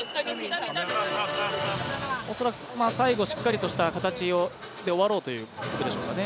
恐らく最後、しっかりとした形で終わろうということでしょうかね。